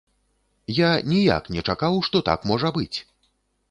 Я ніяк не чакаў, што так можа быць!